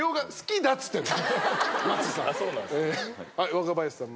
若林さん